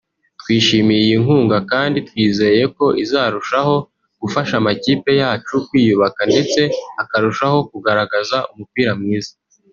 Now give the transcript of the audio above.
“Twishimiye iyi nkunga kandi twizeye ko izarushaho gufasha amakipe yacu kwiyubaka ndeste akarushaho kugaragaza umupira mwiza